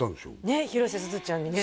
ねっ広瀬すずちゃんにね